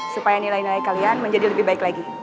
supaya nilai nilai kalian menjadi lebih baik lagi